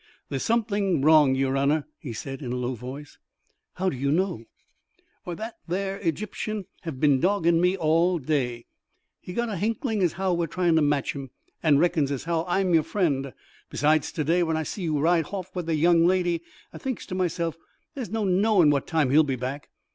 "There's something wrong, yer honour," he said in a low voice. "How do you know?" "Why, that 'ere Egyptian hev bin doggin' me all day. He's got a hinklin' as how we're tryin' to match 'em, and reckons as how I'm yer friend. Besides, to day when I see you ride hoff with the young lady, I thinks to myself, 'There's no knowin' what time he'll be back.'